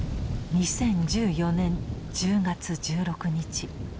２０１４年１０月１６日。